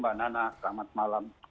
ba'anana selamat malam